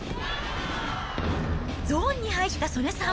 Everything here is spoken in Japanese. ゾーンに入った素根さん。